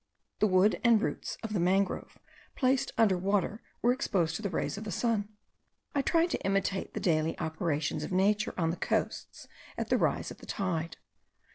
The wood and roots of the mangrove placed under water were exposed to the rays of the sun. I tried to imitate the daily operations of nature on the coasts at the rise of the tide.